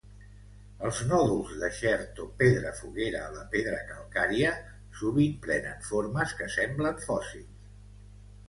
Els nòduls de chert o pedra foguera a la pedra calcària sovint prenen formes que semblen fòssils.